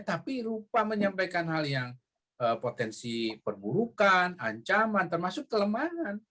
tapi rupa menyampaikan hal yang potensi perburukan ancaman termasuk kelemahan